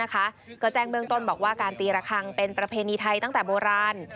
ก็แจ้งเบื้องต้นบอกว่าการตีระคังเป็นประเพณีไทยตั้งแต่โบราณ